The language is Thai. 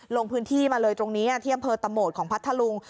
ลงพื้นที่มาเลยตรงนี้ที่อำเภอตะโหมดของพัทธลุง